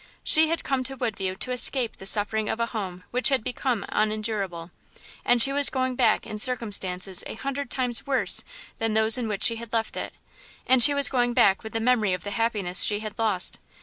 She had come to Woodview to escape the suffering of a home which had become unendurable, and she was going back in circumstances a hundred times worse than those in which she had left it, and she was going back with the memory of the happiness she had lost.